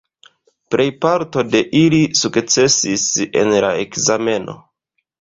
Plejparto de ili sukcesis en la ekzameno.